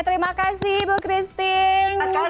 terima kasih bu christine